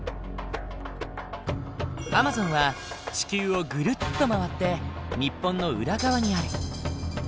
アマゾンは地球をぐるっと回って日本の裏側にある。